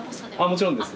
もちろんです。